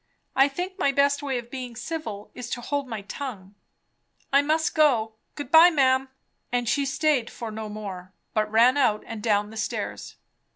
I think my best way of being civil is to hold my tongue. I must go Good bye, ma'am! " and she staid for no more, but ran out and down the stairs.